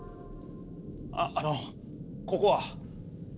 あっあのここは？